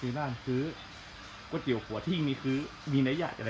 เป็นซูต๊อปชอบของมึงเนาะครับ